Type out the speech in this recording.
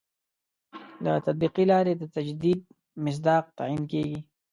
له تطبیقي لاري د تجدید مصداق تعین کړي.